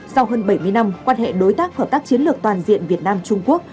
sau hơn bảy mươi năm quan hệ đối tác hợp tác chiến lược toàn diện việt nam trung quốc